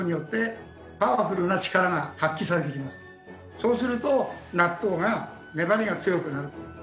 そうすると納豆が粘りが強くなる。